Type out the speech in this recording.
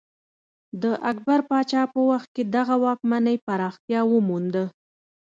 د اکبر پاچا په وخت کې دغه واکمنۍ پراختیا ومونده.